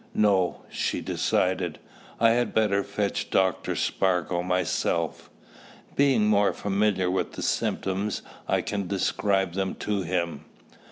"No," she decided; "I had better fetch Dr. Spargo myself. Being more familiar with the symptoms, I can describe them to him."